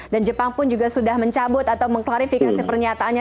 dan jepang pun juga sudah mencabut atau mengklarifikasi pernyataannya